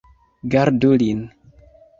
Gardu lin!